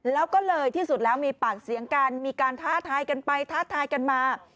แล้วก็เลยที่สุดแล้วมีปากเสียงกันมีการท้าทายกันไปท้าทายกันมา